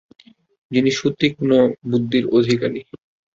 যিনি সুতীক্ষ্ণ বুদ্ধির অধিকারী।